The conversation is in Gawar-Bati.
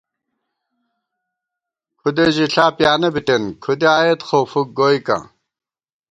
کھُدے ژِݪا پیانہ بِتېن ، کھُدے آئیت خو فُک گوئیکاں